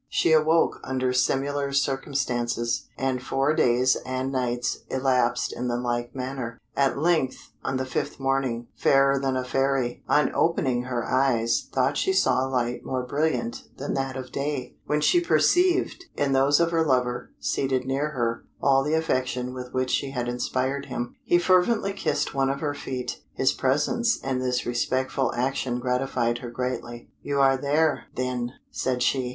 She awoke under similar circumstances, and four days and nights elapsed in the like manner. At length, on the fifth morning, Fairer than a Fairy, on opening her eyes, thought she saw a light more brilliant than that of day, when she perceived, in those of her lover, seated near her, all the affection with which she had inspired him. He fervently kissed one of her feet; his presence and this respectful action gratified her greatly. "You are there, then," said she.